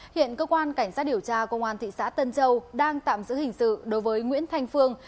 hiện cơ quan cảnh sát điều tra công an thị xã tân châu đang tạm giữ hình sự đối với nguyễn thanh phương